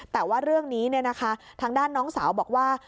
แต่ว่าเรื่องนี้ทางด้านน้องสาวบอกว่า